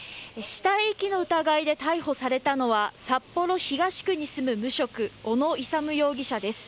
死体遺棄の疑いで逮捕されたのは札幌市東区に住む無職の小野勇容疑者です。